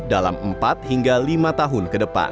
dalam empat hingga lima tahun